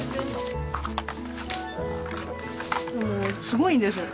すごいんですよ。